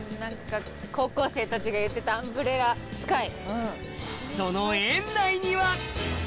高校生たちが言ってたアンブレラスカイ。